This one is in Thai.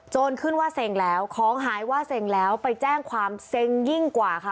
ขึ้นว่าเซ็งแล้วของหายว่าเซ็งแล้วไปแจ้งความเซ็งยิ่งกว่าค่ะ